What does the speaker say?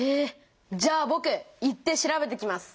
じゃあぼく行って調べてきます。